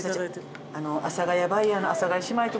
阿佐ヶ谷バイヤーの阿佐ヶ谷姉妹と申します。